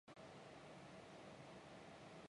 來這邊問問